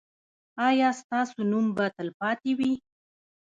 ایا ستاسو نوم به تلپاتې وي؟